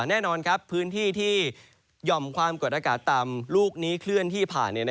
แน่นอนครับพื้นที่ที่หย่อมความกดอากาศต่ำลูกนี้เคลื่อนที่ผ่าน